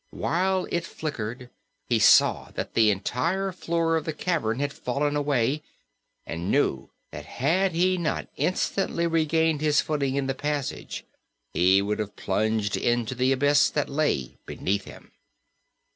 While it flickered he saw that the entire floor of the cavern had fallen away, and knew that had he not instantly regained his footing in the passage he would have plunged into the abyss that lay beneath him.